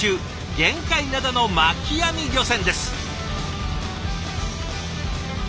玄界灘の巻き網漁船です。